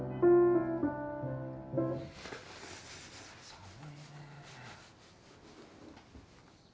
寒いね。